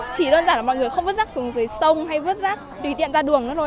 chỉ đơn giản là mọi người không vứt rác xuống dưới sông hay vứt rác tùy tiện ra đường nữa thôi